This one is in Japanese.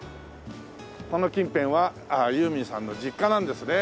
この近辺はユーミンさんの実家なんですね。